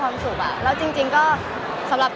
มันเป็นเรื่องน่ารักที่เวลาเจอกันเราต้องแซวอะไรอย่างเงี้ย